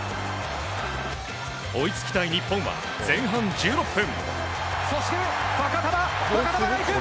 追いつきたい日本は前半１６分。